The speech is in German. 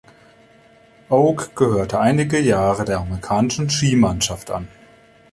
Oak gehörte einige Jahre der amerikanischen Ski-Mannschaft an.